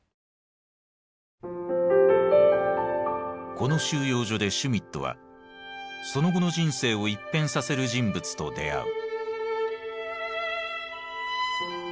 この収容所でシュミットはその後の人生を一変させる人物と出会う。